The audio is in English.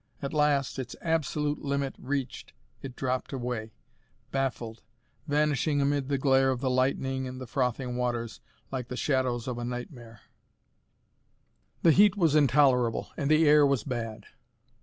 At last, its absolute limit reached, it dropped away, baffled, vanishing amid the glare of the lightning and the frothing waters like the shadows of a nightmare. The heat was intolerable and the air was bad.